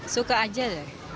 suka aja deh